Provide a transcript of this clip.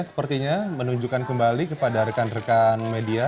sepertinya menunjukkan kembali kepada rekan rekan media